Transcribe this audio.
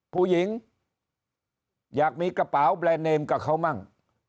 ผู้หญิงอยากมีกระเป๋าแบรนด์เนมกับเขามั่ง